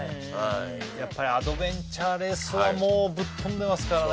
やっぱりアドベンチャーレースはもうぶっ飛んでますからね